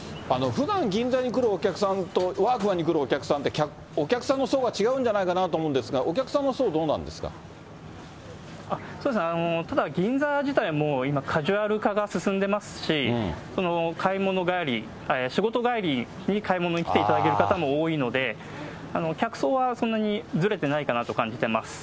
ふだん、銀座に来るお客さんとワークマンに来るお客さんって、お客さんの層が違うんじゃないかなと思うんですが、お客さんの層、ただ銀座自体、もう今、カジュアル化が進んでますし、買い物帰り、仕事帰りに買い物に来ていただける方も多いので、客層はそんなにずれてないかなと感じてます。